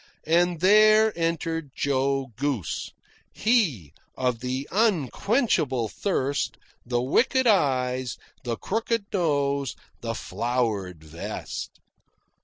And there entered Joe Goose he of the unquenchable thirst, the wicked eyes, the crooked nose, the flowered vest.